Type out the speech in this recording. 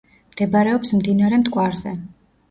მდებარეობს მდინარე მტკვარზე.